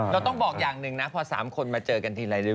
เราต้องบอกอย่างหนึ่งนะพอ๓คนมาเจอกันทีไร้